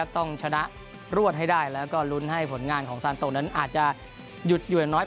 ต้องชนะรวดให้ได้แล้วก็ลุ้นให้ผลงานของซานโตนั้นอาจจะหยุดอยู่อย่างน้อย